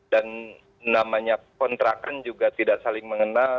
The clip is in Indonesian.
dan namanya kontrakan juga tidak saling mengenal